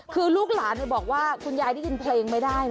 คือลูกหลานบอกว่าคุณยายได้ยินเพลงไม่ได้นะ